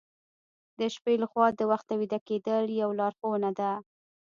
د شپې له خوا د وخته ویده کیدل یو لارښوونه ده.